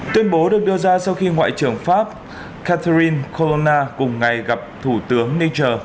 tuyên bố được đưa ra sau khi ngoại trưởng pháp catherine colonna cùng ngày gặp thủ tướng niger